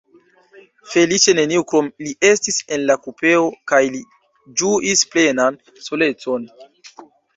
Feliĉe neniu krom li estis en la kupeo, kaj li ĝuis plenan solecon.